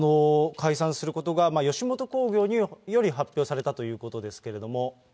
解散することが、吉本興業より発表されたということですけれども。